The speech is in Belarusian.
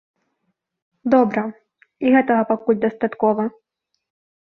Добра, і гэтага пакуль дастаткова.